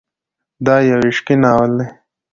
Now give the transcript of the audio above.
دا يو عشقي ناول دی.